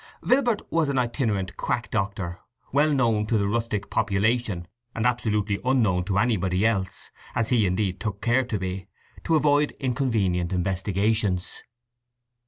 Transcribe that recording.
Vilbert was an itinerant quack doctor, well known to the rustic population, and absolutely unknown to anybody else, as he, indeed, took care to be, to avoid inconvenient investigations.